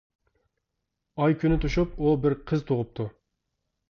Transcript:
ئاي-كۈنى توشۇپ، ئۇ بىر قىز تۇغۇپتۇ.